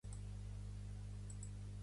Pertany al moviment independentista la Zeta?